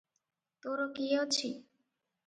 ତୋର କିଏ ଅଛି?